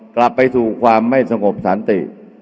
กลับไปสู่ความไม่สงบสันติ